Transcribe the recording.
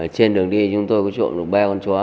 trên đường đi chúng tôi có trộm được ba con chó